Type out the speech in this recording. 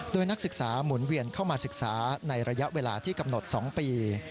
โดยนักศึกษาหมุนเวียนเข้ามาศึกษาในระยะเวลาที่กำหนด๒ปี